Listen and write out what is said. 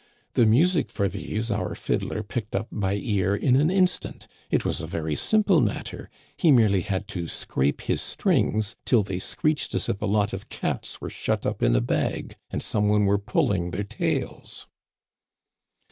The music for these our fiddler picked up by ear in an instant. It was a very simple matter; he merely had to scrape his strings till they screeched as if a lot of cats were shut up in a bag and some one were pulling their tails."